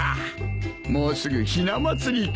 もうすぐひな祭りか。